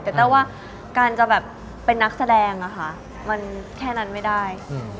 แต่แต้วว่าการจะแบบเป็นนักแสดงอะค่ะมันแค่นั้นไม่ได้